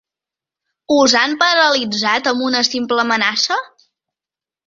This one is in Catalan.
Us han paralitzat amb una simple amenaça?